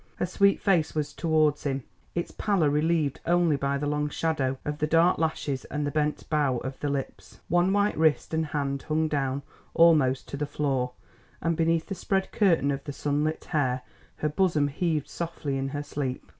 Her sweet face was towards him, its pallor relieved only by the long shadow of the dark lashes and the bent bow of the lips. One white wrist and hand hung down almost to the floor, and beneath the spread curtain of the sunlit hair her bosom heaved softly in her sleep.